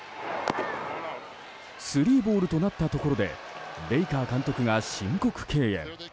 スリーボールとなったところでベイカー監督が申告敬遠。